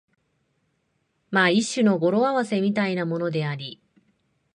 まあ一種の語呂合せみたいなものであり、